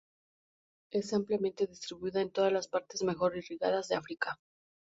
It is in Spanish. Está ampliamente distribuida en todas las partes mejor irrigadas de África.